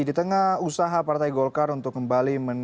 di tengah usaha partai golkar untuk kembali